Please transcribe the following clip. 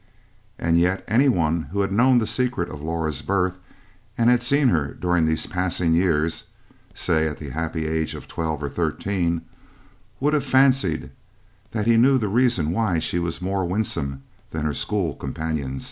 And yet any one who had known the secret of Laura's birth and had seen her during these passing years, say at the happy age of twelve or thirteen, would have fancied that he knew the reason why she was more winsome than her school companion.